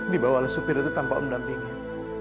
dibawalah supir itu tanpa undang undangnya